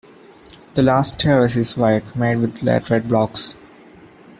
The last terrace is wide, made with laterite blocks.